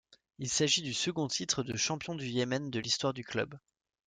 Il s’agit du second titre de champion du Yémen de l’histoire du club.